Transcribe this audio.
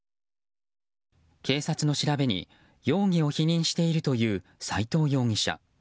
警察の調べに、容疑を否認しているという斉藤容疑者。